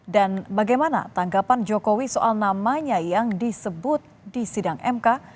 dan bagaimana tanggapan jokowi soal namanya yang disebut di sidang mk